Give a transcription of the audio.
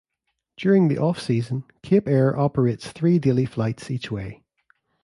During the off-season, Cape Air operates three daily flights each way.